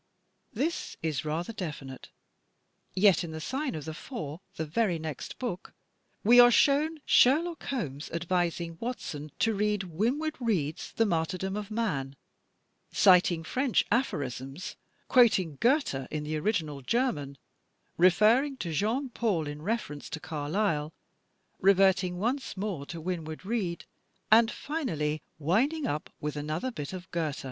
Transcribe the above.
This is rather definite. Yet in "The Sign of the Four," the very next book, we are shown Sherlock Holmes advising Watson to read Winwood FALSE DEVICES 2 IS Readers "The Martyrdom of Man," citing French aphorisms, quoting Goethe in the original German, referring to Jean Paul in reference to Carlyle, reverting once more to Winwood Reade, and finally winding up with another bit of Goethe.